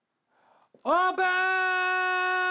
オープン！